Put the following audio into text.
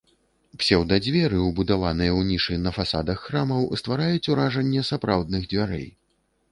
Псеўда-дзверы, убудаваныя ў нішы на фасадах храмаў, ствараюць уражанне сапраўдных дзвярэй.